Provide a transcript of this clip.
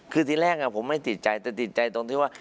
คือที่แรกผมไม่ติดใจแต่ติดใจตรงที่ว่า